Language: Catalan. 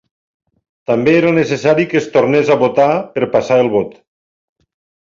També era necessari que es tornés a votar per passar el vot.